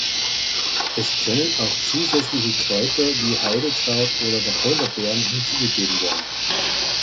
Es können auch zusätzliche Kräuter, wie Heidekraut oder Wacholderbeeren, hinzugegeben werden.